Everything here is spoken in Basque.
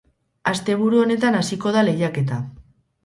Asteburu honetan hasiko da lehiaketa.